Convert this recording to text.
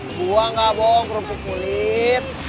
gue gak boong rupuk kulit